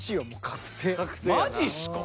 マジっすか。